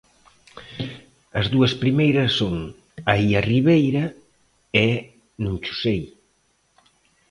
As dúas primeiras son 'Ai a Ribeira' e 'Non cho sei'.